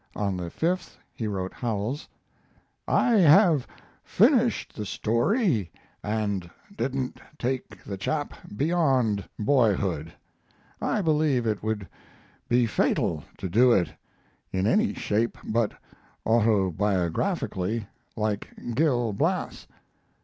On the 5th he wrote Howells: I have finished the story and didn't take the chap beyond boyhood. I believe it would be fatal to do it in any shape but autobiographically, like Gil Blas.